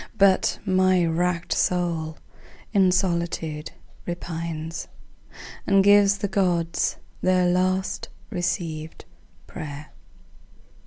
But my wrack'd soul in solitude repines And gives the Gods their last receivèd pray'r.